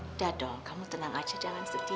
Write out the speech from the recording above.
udah dong kamu tenang aja jangan sedih